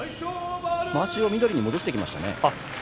まわしを緑に戻してきましたね。